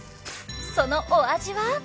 そのお味は？